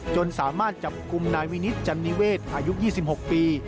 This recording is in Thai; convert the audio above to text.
จนสามารถจับกลุ่มนายวินิตจันนิเวศอายุ๒๖ปี